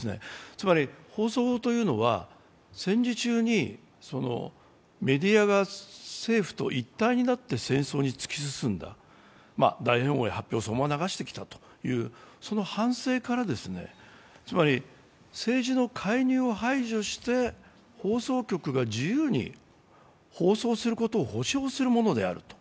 つまり、放送法というのは戦時中にメディアが政府と一体になって戦争に突き進んだ、大本営発表をそのまま流してきたというその反省から、つまり政治の介入を排除して放送局が自由に放送することを保障するものであると。